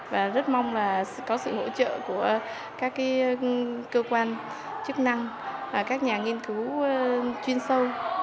và rất mong là có sự hỗ trợ của các cơ quan chức năng các nhà nghiên cứu chuyên sâu